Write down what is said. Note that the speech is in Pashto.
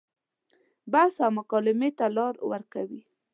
بحث او مکالمې ته لار ورکوي.